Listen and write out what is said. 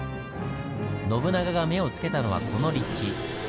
信長が目を付けたのはこの立地。